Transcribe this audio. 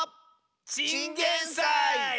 チンゲンサイ！